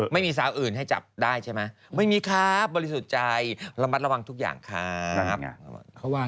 ไม่มีสาวอื่นให้จับได้ใช่ไหมไม่มีครับบริสุทธิ์ใจระมัดระวังทุกอย่างครับ